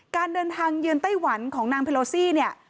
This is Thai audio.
การเดินทางเยือนไต้หวันของนางเพโลซี่เนี่ย